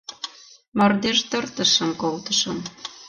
Мардеж-тыртышым колтышым.